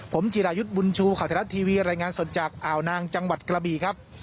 ผมจิรายุทธ์บุญชูข่าวไทยรัฐทีวีรายงานสดจากอ่าวนางจังหวัดกระบีครับ